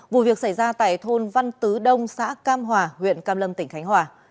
vụ việc xảy ra tại thôn văn tứ đông xã cam hòa huyện cam lâm tỉnh khánh hòa